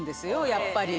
やっぱり。